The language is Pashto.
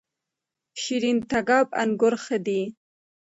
شیرین تګاب انګور ښه دي؟